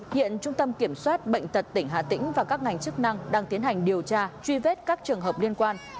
hiện trung tâm kiểm soát bệnh tật tỉnh hà tĩnh và các ngành chức năng đang tiến hành điều tra truy vết các trường hợp liên quan